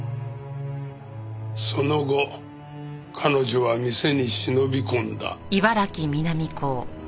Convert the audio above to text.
その後彼女は店に忍び込んだ。